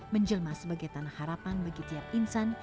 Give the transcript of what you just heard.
menjelma sebagai tanah harapan bagi tiap insan